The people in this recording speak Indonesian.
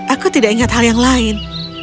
aku tidak ingat hal yang lain